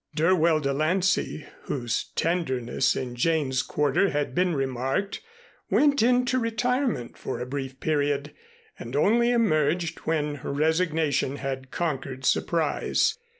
Dirwell De Lancey, whose tenderness in Jane's quarter had been remarked, went into retirement for a brief period, and only emerged when resignation had conquered surprise.